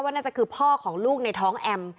น่าจะคือพ่อของลูกในท้องแอม